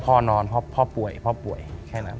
พ่อนอนพ่อป่วยพ่อป่วยแค่นั้น